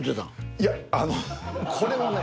いやあのこれはね